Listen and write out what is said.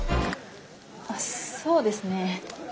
あっそうですね